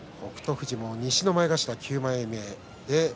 富士も西の前頭９枚目。